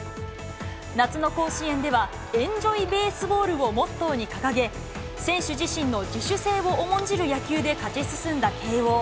夏の甲子園では、エンジョイベースボールをモットーに掲げ、選手自身の自主性を重んじる野球で勝ち進んだ慶応。